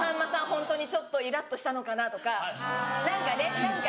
ホントにちょっとイラっとしたのかなとか何かね何か。